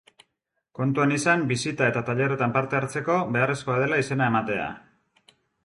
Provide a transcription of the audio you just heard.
Kontuan izan bisita eta tailerretan parte hartzeko beharrezkoa dela izena ematea.